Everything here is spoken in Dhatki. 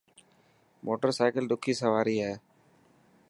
موٽر سائڪل ڏکي سواري هي.